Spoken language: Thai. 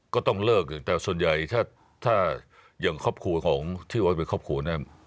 ก็ต้องเลิกแต่ส่วนใหญ่ถ้าอย่างครอบครัวของที่โอ๊ตเป็นครอบครัวนั้น